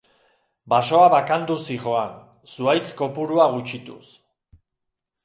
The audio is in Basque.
Basoa bakanduz zihoan, zuhaitz kopurua gutxituz.